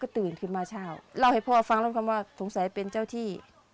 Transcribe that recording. ตื่นขึ้นมาเช้าเล่าให้พ่อฟังแล้วคำว่าสงสัยเป็นเจ้าที่